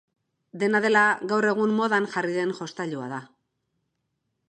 Dena dela, gaur egun modan jarri den jostailua da.